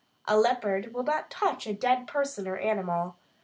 A leopard will not touch a dead person or animal.